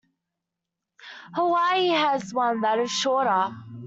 Hawaii has one that is shorter.